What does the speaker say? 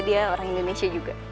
dia orang indonesia juga